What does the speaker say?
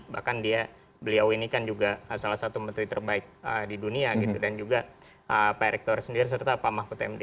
bahkan beliau ini kan juga salah satu menteri terbaik di dunia gitu dan juga pak eriktor sendiri serta pak mahfud md